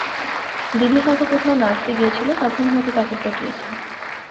দিদি হয়ত কোথাও নাচতে গিয়েছিল, তখন হয়ত তাকে পটিয়েছে।